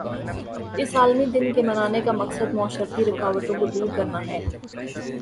اس عالمی دن کے منانے کا مقصد معاشرتی رکاوٹوں کو دور کرنا ہے